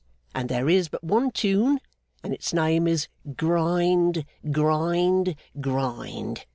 And there is but one tune, and its name is Grind, Grind, Grind!